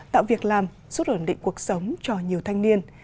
tạo việc làm xúc ẩn định cuộc sống cho nhiều thanh niên